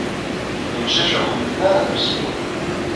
Imcac ur ḥemmlen ara ad bezyen.